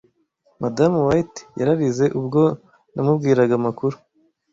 Madamu White yararize ubwo namubwiraga amakuru.